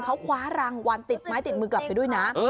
เขาคว้ารางวัลติดไม้ติดมือกลับไปด้วยนะ